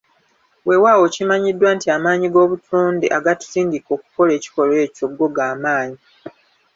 Weewaawo kimanyiddwa nti amaanyi g'obutonde agatusindika okukola ekikolwa ekyo go gamaanyi.